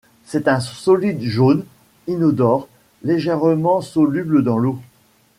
C'est un solide jaune, inodore, légèrement soluble dans l'eau.